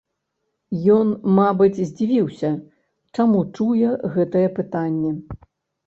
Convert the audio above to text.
Ён, мабыць, здзівіўся, чаму чуе гэтае пытанне.